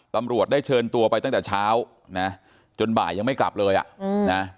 ตำรวจได้เชิญตัวไปตั้งแต่เช้านะจนบ่ายยังไม่กลับเลยอ่ะนะ